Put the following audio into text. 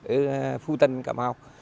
ở phú tân cà mau